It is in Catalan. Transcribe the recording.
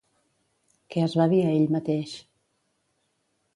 Què es va dir a ell mateix?